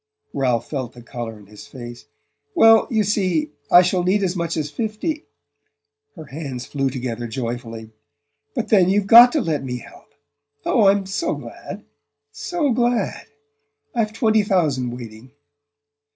Ralph felt the colour in his face. "Well, you see, I shall need as much as fifty " Her hands flew together joyfully. "But then you've got to let me help! Oh, I'm so glad so glad! I've twenty thousand waiting."